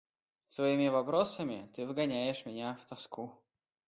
Своими вопросами ты вгоняешь меня в тоску.